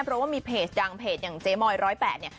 เพราะว่ามีเพจดังเพจอย่างเจ๊มอย๑๐๘เนี่ย